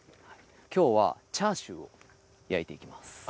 きょうはチャーシューを焼いていきます